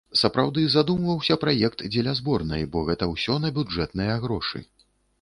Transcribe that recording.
Сапраўды задумваўся праект дзеля зборнай, бо гэта ўсё на бюджэтныя грошы.